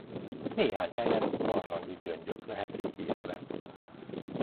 Néhány helyen barlangi gyöngyök vehetők észre.